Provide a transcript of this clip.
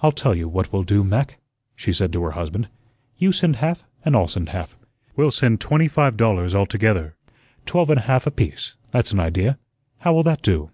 "I'll tell you what we'll do, Mac," she said to her husband, "you send half and I'll send half; we'll send twenty five dollars altogether. Twelve and a half apiece. That's an idea. How will that do?"